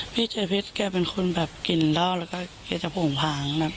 พี่เจียพีชแก่เป็นคนกลิ่นเราแล้วแกก็พลงผลัง